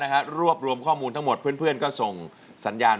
ขอพรต่อหลวงปุศุกร์